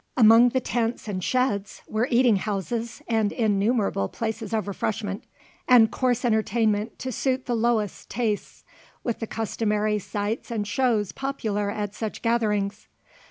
Among the tents and sheds were eating houses and innumerable places of refreshment, and coarse entertainment to suit the lowest tastes, with the customary sights and shows popular at such gatherings.